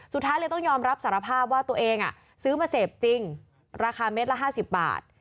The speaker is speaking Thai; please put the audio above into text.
สุดท้ายเลยต้องยอมรับสารภาพว่าตัวเองซื้อมาเสพจริงราคาเม็ดละ๕๐บาท